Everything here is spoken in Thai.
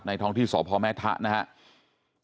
ท้องที่สพแม่ทะนะครับ